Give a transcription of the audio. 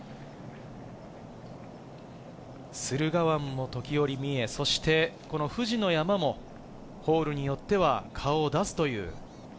駿河湾も時折見え、そして富士の山もホールによっては顔を出すという。